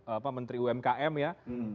apa menteri umkm ya